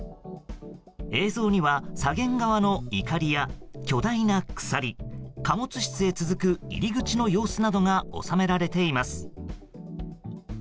映像には左舷側の錨や巨大な鎖貨物室へ続く入り口の様子などが収められています。